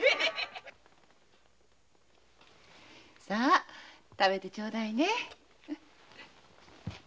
さあ食べてちょうだいね。